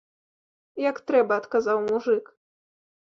Як трэба адказаў мужык.